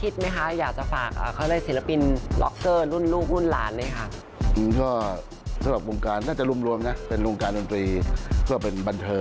เดือนหนึ่ง๑๐๑๕งาน